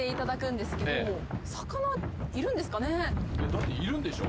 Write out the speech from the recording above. だっているんでしょ？